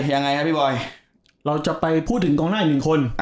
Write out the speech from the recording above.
ยังไงครับพี่บอยเราจะไปพูดถึงกองหน้าอีกหนึ่งคน